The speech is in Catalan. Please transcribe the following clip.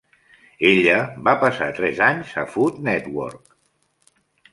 Ella va passar tres anys a Food Network.